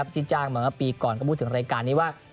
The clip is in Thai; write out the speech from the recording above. ที่จ้างมาเมื่อปีก่อนก็พูดถึงรายการนี้ว่า